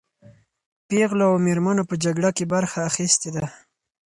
پېغلو او مېرمنو په جګړه کې برخه اخیستې ده.